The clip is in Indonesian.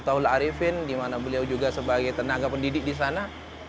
taula arifin di mana beliau juga sebagai tenaga pendidik di sana